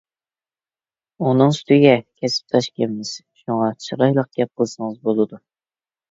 ئۇنىڭ ئۈستىگە كەسىپداشكەنمىز. شۇڭا چىرايلىق گەپ قىلسىڭىز بولىدۇ.